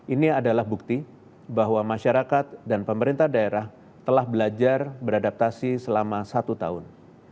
ini adalah bukti bahwa masyarakat dan pemerintah daerah telah belajar beradaptasi selama satu tahun